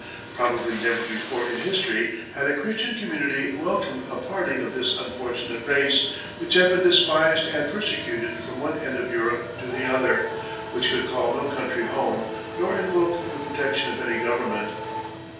Probably never before in history had a Christian community welcomed a party of this unfortunate race, which had been despised and persecuted from one end of Europe to the other, which could call no country home, nor invoke the protection of any government.